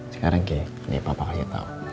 sekarang g nih papa kasih tau